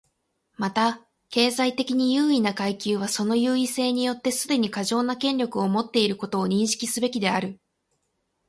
また、経済的に優位な階級はその優位性によってすでに過剰な権力を持っていることを認識すべきである。